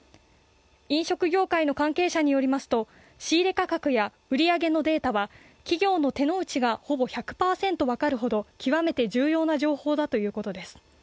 飲食業界の関係者によりますと、仕入れ価格や売り上げのデータは企業の手の内がほぼ１００％分かるほど極めて重要な情報だということです。